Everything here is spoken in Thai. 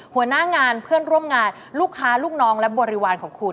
หัวหน้างานเพื่อนร่วมงานลูกค้าลูกน้องและบริวารของคุณ